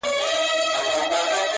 • چي نور ساده راته هر څه ووايه.